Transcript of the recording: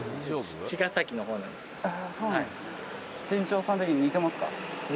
そうなんですね。